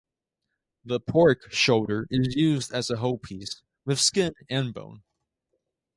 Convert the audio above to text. The pork shoulder is used as a whole piece, with skin and bone.